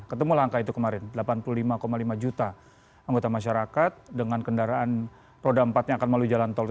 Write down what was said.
ketemu langkah itu kemarin delapan puluh lima lima juta anggota masyarakat dengan kendaraan roda empat yang akan melalui jalan tol